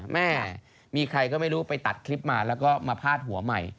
แม่มีใครก็ไม่รู้ไปตัดคลิปมาแล้วก็มาพาดหัวใหม่